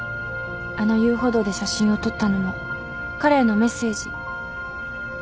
あの遊歩道で写真を撮ったのも彼へのメッセージ。